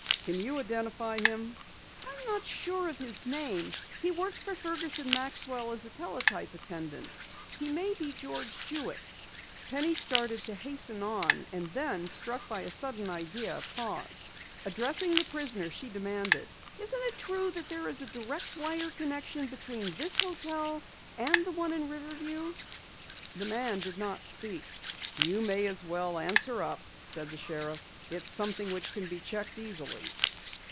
"Can you identify him?" "I'm not sure of his name. He works for Fergus and Maxwell as a teletype attendant. He may be George Jewitt." Penny started to hasten on, and then struck by a sudden idea, paused. Addressing the prisoner she demanded: "Isn't it true that there is a direct wire connection between this hotel and the one in Riverview?" The man did not speak. "You may as well answer up," said the sheriff. "It's something which can be checked easily."